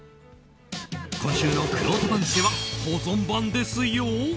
今週のくろうと番付は保存版ですよ！